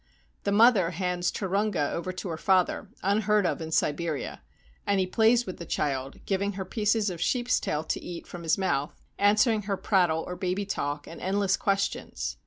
The mother hands Turunga over to her father, — unheard of in Siberia, — and he plays with the child, giving her pieces of sheep's tail to eat from his mouth, answering her prattle or baby talk and endless questions.